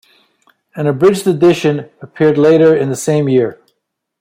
An abridged edition appeared later in the same year.